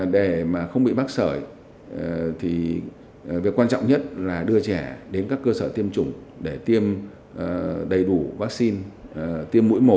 để không bị bác sởi việc quan trọng nhất là đưa trẻ đến các cơ sở tiêm chủng để tiêm đầy đủ vaccine tiêm mũi một